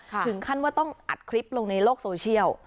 ถึงขั้นว่าต้องอัดคลิปลงในโลกโซเชียล